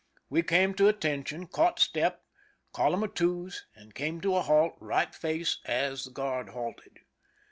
We came to attention, caught step, column of twos, and came to a halt, right face, as the guard halted.